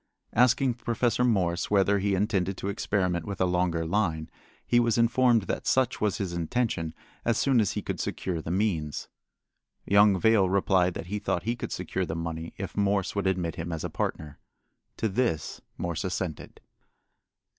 Asking Professor Morse whether he intended to experiment with a longer line, he was informed that such was his intention as soon as he could secure the means. Young Vail replied that he thought he could secure the money if Morse would admit him as a partner. To this Morse assented.